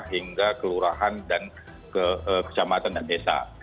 hingga kelurahan dan kecamatan dan desa